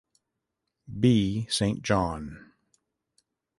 B. Saint John.